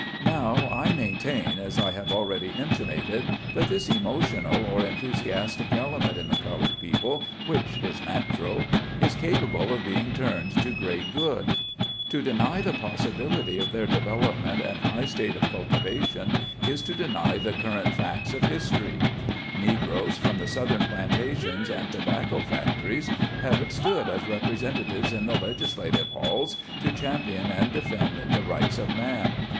Now, I maintain, as I have already intimated, that this emotional or enthusiastic element in the colored people — which is natural — is capable of being turned to great good. To deny the possibility of their development and SPECIAL TRAITS. 109 high state of cultivation, is to deny the current facts of history. Negroes, from the southern plantations and tobacco factories, have stood as representatives in the legislative halls, to champion and defend the rights of man.